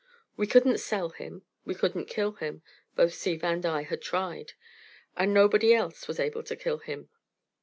We couldn't sell him, we couldn't kill him (both Steve and I had tried), and nobody else was able to kill him.